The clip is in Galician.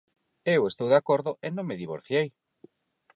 Eu estou de acordo e non me divorciei.